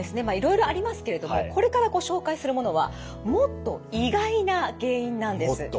まあいろいろありますけれどもこれからご紹介するものはもっと意外な原因なんです。